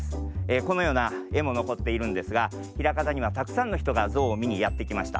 このようなえものこっているんですがひらかたにはたくさんのひとがゾウをみにやってきました。